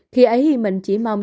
khi ấy mình chỉ mong